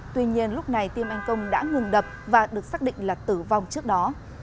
tuy nhiên lúc này tim anh công đã ngừng đập và được xác định là tử vong trước đó